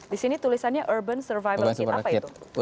disini tulisannya urban survival kit apa itu